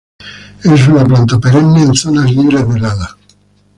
Es una planta perenne en zonas libres de heladas.